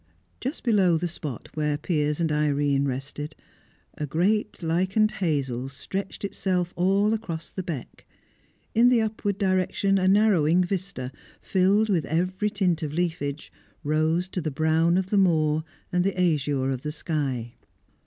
Just below the spot where Piers and Irene rested, a great lichened hazel stretched itself all across the beck; in the upward direction a narrowing vista, filled with every tint of leafage, rose to the brown of the moor and the azure of the sky.